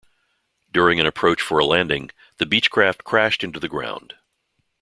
During an approach for a landing, the Beechcraft crashed into the ground.